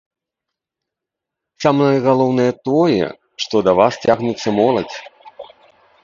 Самае галоўнае тое, што да вас цягнецца моладзь!